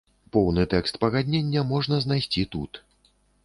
Поўны тэкст пагаднення можна знайсці тут.